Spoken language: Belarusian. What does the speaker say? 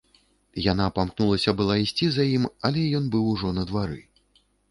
Яна памкнулася была ісці за ім, але ён быў ужо на двары.